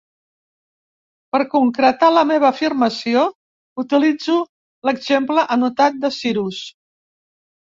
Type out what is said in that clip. Per concretar la meva afirmació, utilitzo l'exemple anotat de Cirus.